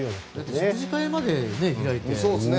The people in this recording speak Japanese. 食事会まで開いて。